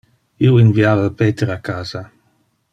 Io inviava Peter a casa.